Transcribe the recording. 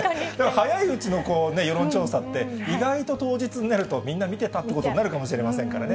早いうちのこう、世論調査って、意外と当日になると、みんな見てたっていうことになるかもしれませんからね。